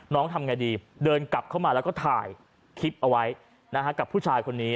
ทำไงดีเดินกลับเข้ามาแล้วก็ถ่ายคลิปเอาไว้กับผู้ชายคนนี้